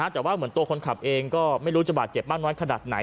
แต่ว่าเหมือนตัวคนขับเองก็ไม่รู้จะบาดเจ็บมากน้อยขนาดไหน